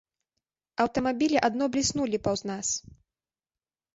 Аўтамабілі адно бліснулі паўз нас.